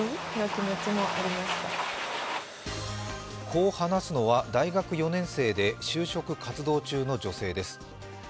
こう話すのは大学４年生で就職活動中の女性です。